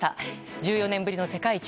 １４年ぶりの世界一。